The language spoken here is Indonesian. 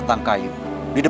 yang kayak kirim